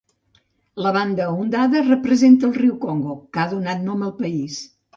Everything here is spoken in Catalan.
La banda ondada representa el riu Congo, que ha donat nom al país.